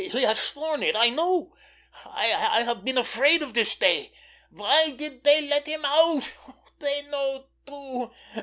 He has sworn it. I know! I have been afraid of this day. Why did they let him out? They know, too!